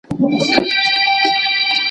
حاکم وویل عرضونه پر سلطان کړه